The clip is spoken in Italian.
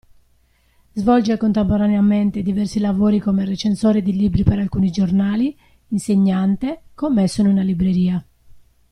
Svolge contemporaneamente diversi lavori come recensore di libri per alcuni giornali, insegnante, commesso in una libreria.